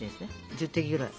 １０滴ぐらい。